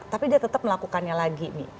tapi dia tetap melakukannya lagi nih